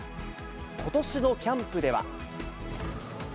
ことしのキャンプでは。